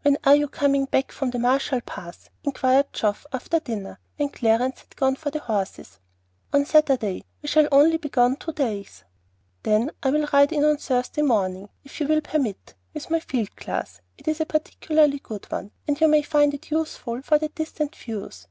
"When are you coming back from the Marshall Pass?" inquired Geoff, after dinner, when Clarence had gone for the horses. "On Saturday. We shall only be gone two days." "Then I will ride in on Thursday morning, if you will permit, with my field glass. It is a particularly good one, and you may find it useful for the distant views."